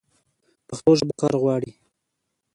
پښتو ژبه کار غواړي.